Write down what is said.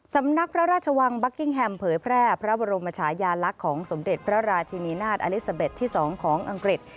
สำนักพระราชวังบัคกิ้งแฮมเผยแพร่พระบรมชายาลักษณ์ของสมเด็จพระราชินีนาฏอลิซาเบ็ดที่๒ของอังกฤษ